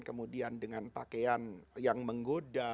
kemudian dengan pakaian yang menggoda